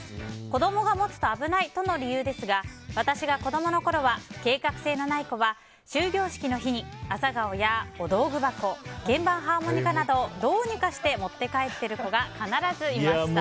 子供が持つと危ないとの理由ですが私が子供のころは計画性のない子は、終業式の日に朝顔やお道具箱鍵盤ハーモニカなどをどうにかして持って帰ってる子が必ずいました。